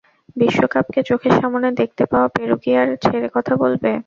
বিশ্বকাপকে চোখের সামনে দেখতে পাওয়া পেরু কি আর ছেড়ে কথা বলবে?